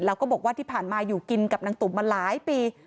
แล้วก็บอกว่าที่ผ่านมาอยู่กินกับนางตุ๋มมาหลายปี